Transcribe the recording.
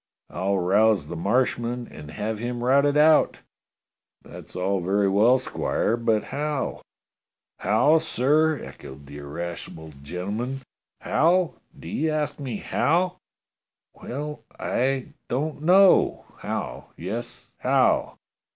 I'll rouse the Marshmen and have him routed out." "That's all very well. Squire, but how?" "How, sir? " echoed that irascible gentleman. " How? Do you ask me how? Well, I don't know! How? Yes, how?"